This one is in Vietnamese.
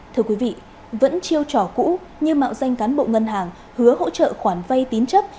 thưa quý vị vẫn chiêu trò cũ như mạo danh cán bộ ngân hàng hứa hỗ trợ khoản vay tín chấp